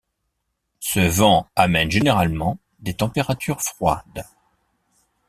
Ce vent amène généralement des températures froides.